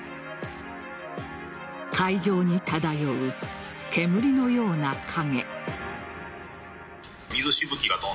海上に漂う煙のような影。